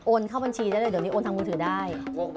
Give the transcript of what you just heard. โอนเข้าบัญชีได้เดี๋ยวโอนทางมูลถือได้